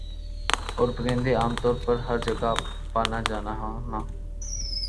اورپرندے عام طور پر ہَر جگہ پانا جانا ہونا